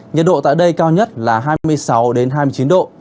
nhiệt độ tại đây cao nhất là hai mươi sáu hai mươi chín độ